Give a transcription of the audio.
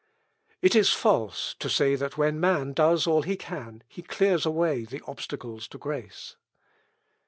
"It is false to say that when man does all he can, he clears away the obstacles to grace.